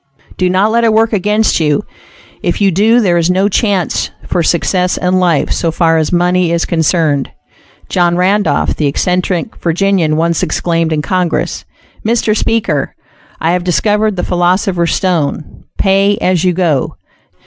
Do not let it work against you; if you do there is no chance for success in life so far as money is concerned. John Randolph, the eccentric Virginian, once exclaimed in Congress, "Mr. Speaker, I have discovered the philosopher's stone: pay as you go."